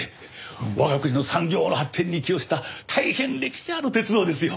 我が国の産業の発展に寄与した大変歴史ある鉄道ですよ。